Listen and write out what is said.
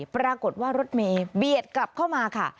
ปรากฏว่ารถเมย์เบียดกลับเข้ามาค่ะ